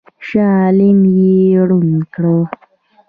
شاه عالم یې ړوند کړ.